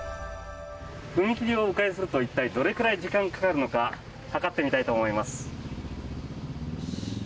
踏切を迂回すると一体どれぐらい時間がかかるのか測ってみたいと思います。